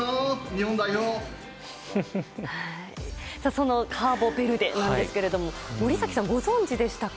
そのカーボベルデなんですが森崎さん、ご存じでしたか？